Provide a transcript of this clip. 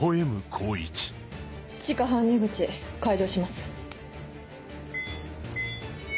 地下搬入口開錠します。